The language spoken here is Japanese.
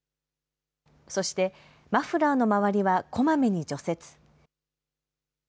そして、マフラーの周りはこまめに除雪。